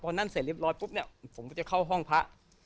พอนั่นเสร็จเรียบร้อยปุ๊บเนี่ยผมก็จะเข้าห้องพระ